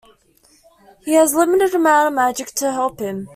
He has a limited amount of magic to help him.